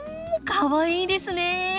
かわいいですね。